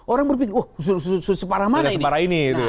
orang berpikir wah separah mana ini